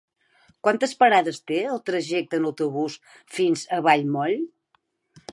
Quantes parades té el trajecte en autobús fins a Vallmoll?